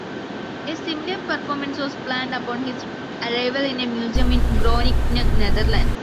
A similar performance was planned upon his arrival in a museum in Groningen, Netherlands.